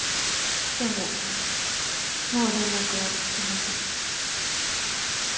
でももう連絡はつきません。